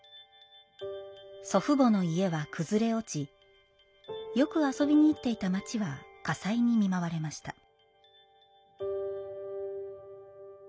祖父母の家は崩れ落ちよく遊びに行っていた町は火災に見舞われました。